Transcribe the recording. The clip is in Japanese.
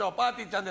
ちゃん